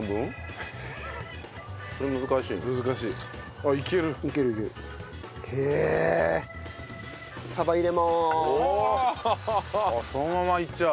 あっそのままいっちゃう？